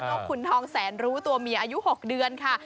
ขุนทองแสนรู้ตัวเมียอายุ๖เดือนค่ะ